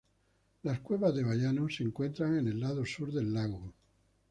Las cuevas de Bayano se encuentran en el lado sur del lago.